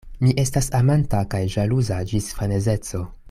Mi estas amanta kaj ĵaluza ĝis frenezeco.